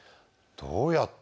どうやって？